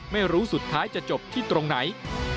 ไม่รู้สุดท้ายจะจบที่ตรงไหน